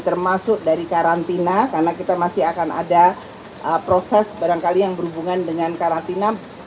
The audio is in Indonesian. termasuk dari karantina karena kita masih akan ada proses barangkali yang berhubungan dengan karantina